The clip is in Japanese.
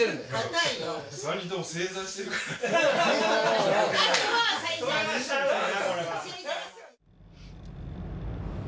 ・３人とも正座してるから。